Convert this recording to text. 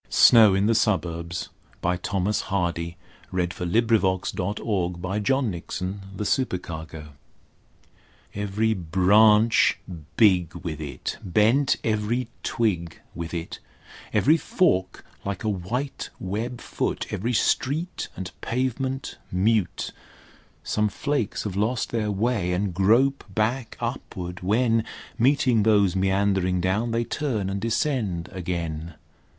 Snow in the Suburbs, by Thomas Hardy SNOW IN THE SUBURBS Every branch big with it, Bent every twig with it; Every fork like a white web foot; Every street and pavement mute: Some flakes have lost their way, and grope back upward, when Meeting those meandering down they turn and descend again.